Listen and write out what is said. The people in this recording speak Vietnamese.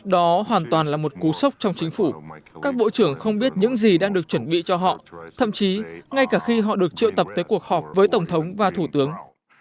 đó hoàn toàn là một cú sốc trong chính phủ các bộ trưởng không biết những gì đang được chuẩn bị cho họ thậm chí ngay cả khi họ được triệu tập tới cuộc họp với tổng thống và thủ tướng